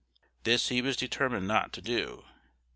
This he was determined not to do.